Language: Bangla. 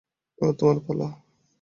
এবার তোমার পালা।